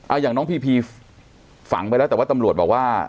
อย่างน้องพีพีฝังไปแล้วแต่ว่าตำรวจบอกว่า